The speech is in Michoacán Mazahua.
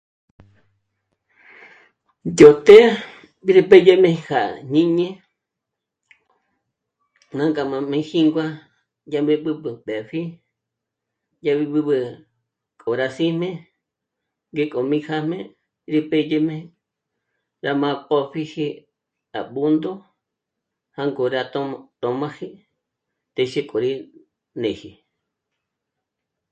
Yó të́'ë nré pèdye kja jñini jângá ná níjingua dyà m'e'b'ǚb'ü mbèpji, dyá gí b'ǚb'ü k'o rá sî'ne ngéko mí já'me rí pèdyejme rá m'ápö̀pjiji à Bòndo jângo rá tö̌m'aji téxe k'o rí néji